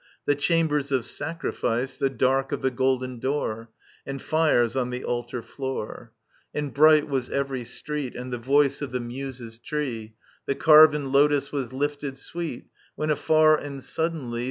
The chambers of sacrifice. The dark of the golden door. And fires on the altar floor. And bright was every street. And the voice of the Muses* tree. The carven lotus, was lifted sweet ; When afar and suddenly.